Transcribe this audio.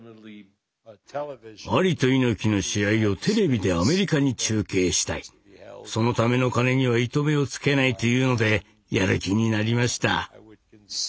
アリと猪木の試合をテレビでアメリカに中継したいそのための金には糸目をつけないというのでやる気になりました。